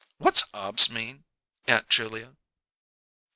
What's 'obs' mean, Aunt Julia?"